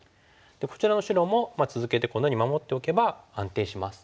こちらの白も続けてこのように守っておけば安定します。